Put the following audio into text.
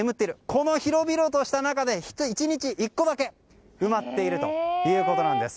この広々とした中で１日１個だけ埋まっているということなんです。